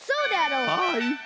はい。